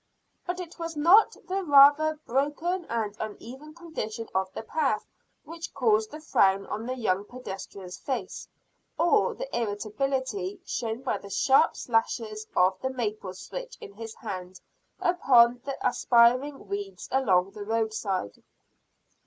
But it was not the rather broken and uneven condition of the path which caused the frown on the young pedestrian's face, or the irritability shown by the sharp slashes of the maple switch in his hand upon the aspiring weeds along the roadside.